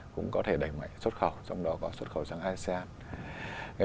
cũng có thể đẩy mạnh xuất khẩu trong đó có xuất khẩu sang asean